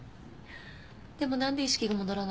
でもなんで意識が戻らないの？